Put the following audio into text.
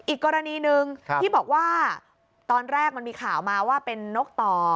อีกกรณีหนึ่งที่บอกว่าตอนแรกมันมีข่าวมาว่าเป็นนกต่อ